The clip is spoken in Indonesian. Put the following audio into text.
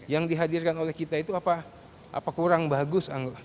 yang dihadirkan oleh kita itu apa kurang bagus